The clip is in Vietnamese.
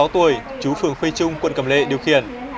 hai mươi sáu tuổi chú phường khuây trung quận cầm lệ điều khiển